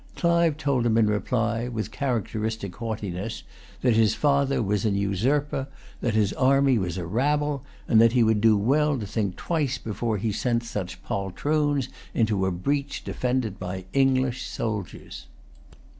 Clive told him in reply, with characteristic haughtiness, that his father was an usurper, that his army was a rabble, and that he would do well to think twice before he sent such poltroons into a breach defended by English soldiers.